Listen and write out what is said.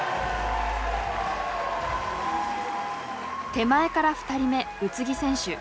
手前から２人目宇津木選手